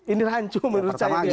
ini rancu menurut saya